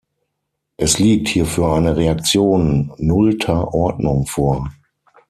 Es liegt hierfür eine Reaktion nullter Ordnung vor.